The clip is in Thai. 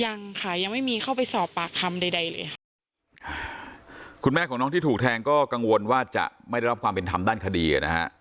ยังค่ะยังไม่มีเข้าไปสอบปากคำใดใดเลยคุณแม่ของน้องที่ถูกแทงก็กังวลว่าจะไม่ได้รับความเป็นธรรมด้านคดีอ่ะนะฮะ